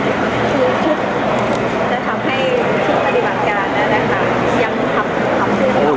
คือจะทำให้ภูมิภาคการยังทับขึ้น